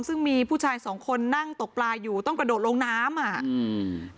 ซึ่งมีผู้ชายสองคนนั่งตกปลาอยู่ต้องกระโดดลงน้ำอ่ะอืม